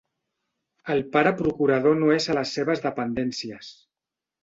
El pare procurador no és a les seves dependències.